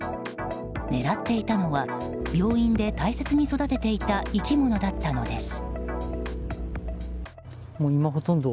狙っていたのは病院で大切に育てていた生き物だったのです。